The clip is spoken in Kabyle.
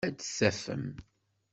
Ad t-tafem?